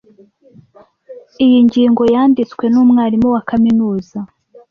Iyi ngingo yanditswe numwarimu wa kaminuza.